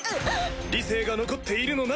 理性が残っているのなら！